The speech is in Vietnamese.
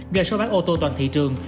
do số bán ô tô toàn thị trường